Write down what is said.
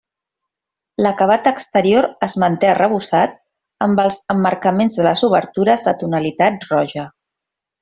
L'acabat exterior es manté arrebossat, amb els emmarcaments de les obertures de tonalitat roja.